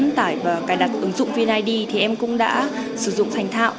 hướng dẫn tài và cài đặt ứng dụng vneid thì em cũng đã sử dụng thành thạo